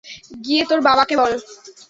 গিয়ে তোর বাবাকে বল।